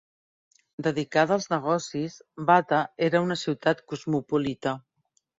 Dedicada als negocis, Bata era una ciutat cosmopolita.